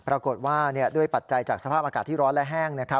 ปรากฏว่าด้วยปัจจัยจากสภาพอากาศที่ร้อนและแห้ง